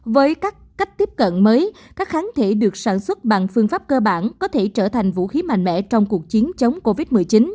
với các cách tiếp cận mới các kháng thể được sản xuất bằng phương pháp cơ bản có thể trở thành vũ khí mạnh mẽ trong cuộc chiến chống covid một mươi chín